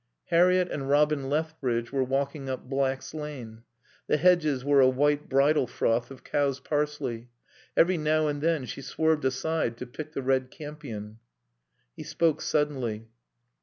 Harriett and Robin Lethbridge were walking up Black's Lane. The hedges were a white bridal froth of cow's parsley. Every now and then she swerved aside to pick the red campion. He spoke suddenly.